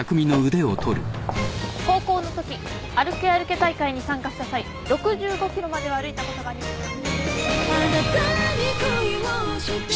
高校のとき歩け歩け大会に参加した際６５ｋｍまでは歩いたことがありますが。